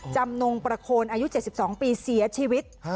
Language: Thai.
จำนงประโคนอายุ๗๒ปีเสียชีวิต